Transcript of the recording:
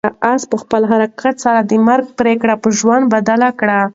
آس په خپل حرکت سره د مرګ پرېکړه په ژوند بدله کړه.